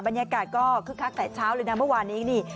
บรรยากาศก็คึกคักแต่เช้าเลยนะเมื่อวานนี้นี่